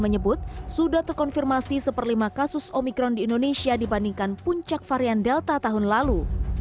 menyebut sudah terkonfirmasi satu per lima kasus omikron di indonesia dibandingkan puncak varian delta tahun lalu